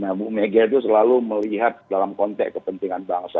nah bumega itu selalu melihat dalam konteks kepentingan bangsa